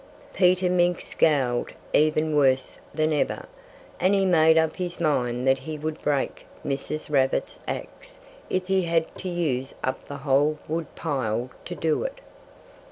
Peter Mink scowled even worse than ever. And he made up his mind that he would break Mrs. Rabbit's axe if he had to use up the whole wood pile to do it.